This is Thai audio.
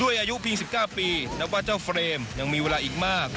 อายุเพียง๑๙ปีนับว่าเจ้าเฟรมยังมีเวลาอีกมาก